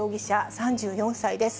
３４歳です。